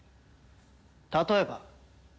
例えば？